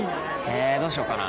えどうしようかな。